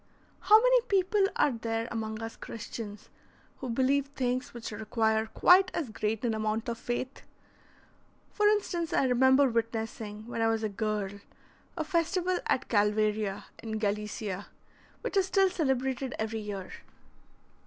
How many people are there among us Christians who believe things which require quite as great an amount of faith? For instance, I remember witnessing, when I was a girl, a festival at Calvaria, in Gallicia, which is still celebrated every year.